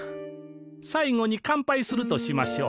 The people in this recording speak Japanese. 最後にかんぱいするとしましょう。